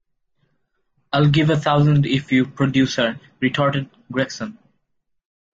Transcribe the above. I'll give a thousand if you produce her, retorted Gregson.